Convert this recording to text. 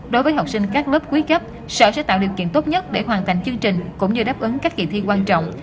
đối với học sinh các lớp quý cấp sở sẽ tạo điều kiện tốt nhất để hoàn thành chương trình cũng như đáp ứng các kỳ thi quan trọng